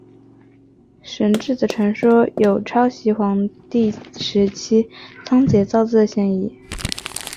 神志的传说有抄袭黄帝时期仓颉造字的嫌疑。